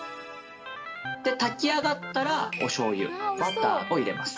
炊き上がったら、おしょうゆ、バターを入れます。